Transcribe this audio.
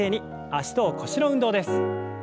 脚と腰の運動です。